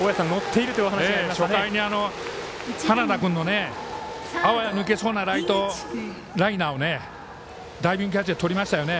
初回に花田君のあわや抜けそうなライトライナーをダイビングキャッチでとりましたよね。